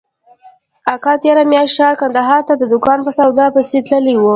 اکا تېره مياشت ښار کندهار ته د دوکان په سودا پسې تللى و.